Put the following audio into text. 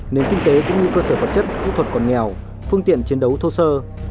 nền kinh tế cũng như cơ sở vật chất kỹ thuật còn nghèo phương tiện chiến đấu thô sơ